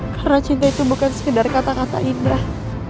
karena cinta itu bukan sekedar kata kata indah